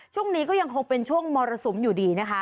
ช่วงนี้ก็ยังคงเป็นช่วงมรสุมอยู่ดีนะคะ